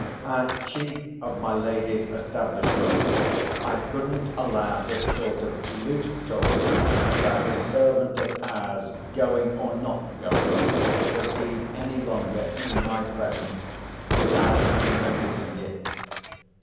As chief of my lady's establishment, I couldn't allow this sort of loose talk about a servant of ours going, or not going, to proceed any longer in my presence, without noticing it.